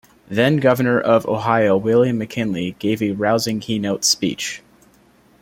Then-Governor of Ohio William McKinley gave a rousing keynote speech.